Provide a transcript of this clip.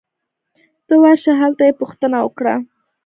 ته ورشه ! هلته یې پوښتنه وکړه